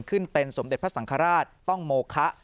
ขึ้นเป็นสมเด็จพระสังฆราชต้องโมคะ